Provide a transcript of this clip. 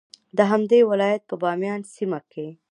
د همدې ولایت په بایان سیمه کې